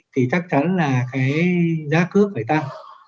thì chắc chắn là cái giá cước phải tăng